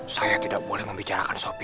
saya tidak boleh membicarakan sopir